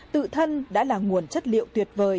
tự thân đã là nguồn chất liệu tuyệt vời